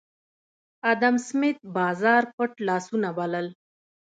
ادم سمېت بازار پټ لاسونه بلل